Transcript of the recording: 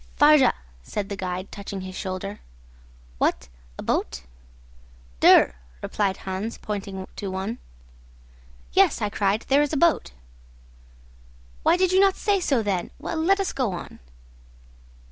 "Färja," said the guide, touching his shoulder. "What! a boat?" "Der," replied Hans, pointing to one. "Yes," I cried; "there is a boat." "Why did not you say so then? Well, let us go on."